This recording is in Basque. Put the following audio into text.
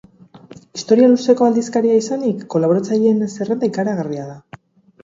Historia luzeko aldizkaria izanik kolaboratzaileen zerrenda ikaragarria da.